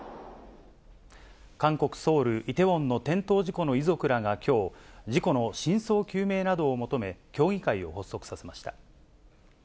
韓国・ソウル・イテウォンの転倒事故の遺族らがきょう、事故の真相究明などを求め、協議会を発足させました。